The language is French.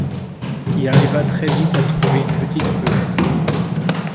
Il arriva très vite à trouver une petite ruelle.